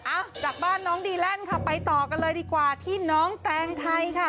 อ่ะจากบ้านน้องดีแลนด์ค่ะไปต่อกันเลยดีกว่าที่น้องแตงไทยค่ะ